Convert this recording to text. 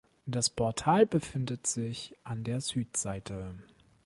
Das Portal befindet sich an der Südseite.